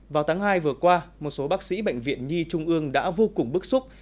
vào tháng hai vừa qua một số bác sĩ bệnh viện nhi trung ương đã vô cùng bức xúc